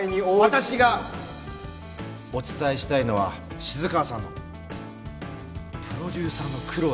私がお伝えしたいのは静川さんのプロデューサーの苦労です。